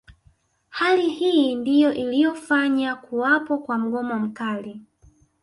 Hali hii ndiyo iliyofanya kuwapo kwa mgomo mkali